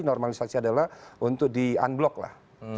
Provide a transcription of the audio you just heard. normalisasi adalah untuk di unblock lah